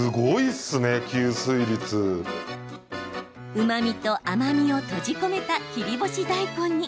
うまみと甘みを閉じ込めた切り干し大根に。